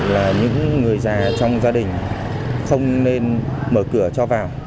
là những người già trong gia đình không nên mở cửa cho vào